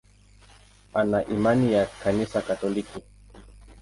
Ana imani ya Kanisa Katoliki.